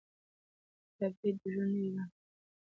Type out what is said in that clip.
تبعيد د ژوند نوې بڼه وه.